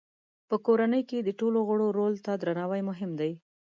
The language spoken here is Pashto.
په کورنۍ کې د ټولو غړو رول ته درناوی مهم دی.